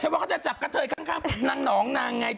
ว่าจะจับกะเทยยี้